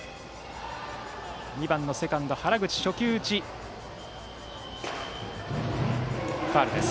２番のセカンド、原口初球打ちはファウルです。